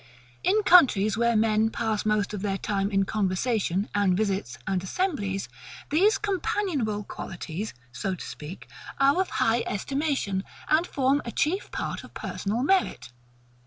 In countries where men pass most of their time in conversation, and visits, and assemblies, these COMPANIONABLE qualities, so to speak, are of high estimation, and form a chief part of personal merit.